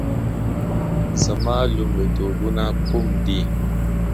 زما لومړیتوبونه کوم دي؟